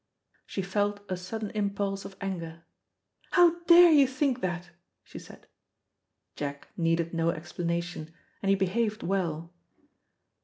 She felt a sudden impulse of anger. "How dare you think that?" she said. Jack needed no explanation, and he behaved well.